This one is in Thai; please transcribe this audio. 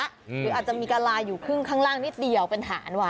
อืมหรืออาจจะมีกราล่าอยู่ขึ้นข้างล่างนิดเดียวเป็นฐานว่ะ